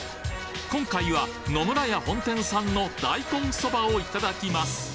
今回は野村屋本店さんの大根そばをいただきます